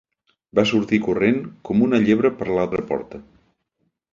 Va sortir corrent com una llebre per l'altra porta.